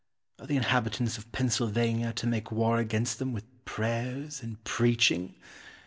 Are the inhabitants of Pennsylvania to make war against them with prayers and preaching?